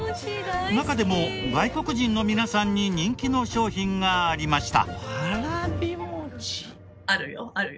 中でも外国人の皆さんに人気の商品がありました。